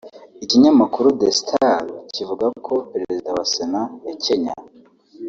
Ikinyamakuru The Star kivuga ko Perezida wa Sena ya Kenya